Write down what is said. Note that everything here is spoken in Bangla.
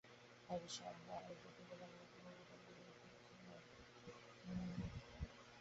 অমর সাহা প্রথম আলোর কলকাতা প্রতিনিধি।